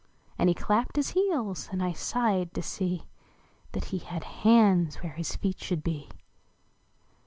" And he clapped his heels and I sighed to see That he had hands where his feet should be.